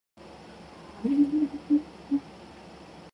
The British take pride in their traditions and diligently preserve them.